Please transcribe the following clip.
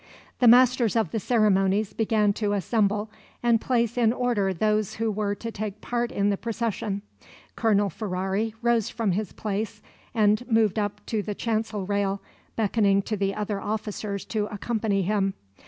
The masters of the ceremonies began to assemble and place in order those who were to take part in the procession. Colonel Ferrari rose from his place and moved up to the chancel rail, beckoning to the other officers to accompany him.